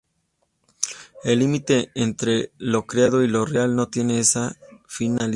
El límite entre lo creado y lo real no tiene esa fina línea".